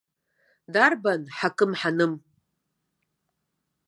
Дарбан ҳакан-ҳаным?